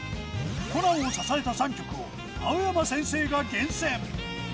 コナンを支えた３曲を、青山先生が厳選。